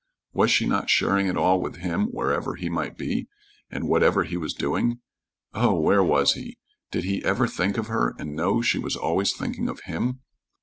Was she not sharing it all with him wherever he might be, and whatever he was doing? Oh, where was he? Did he ever think of her and know she was always thinking of him?